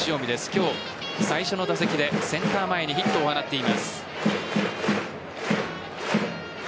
今日最初の打席でセンター前にヒットを放っています。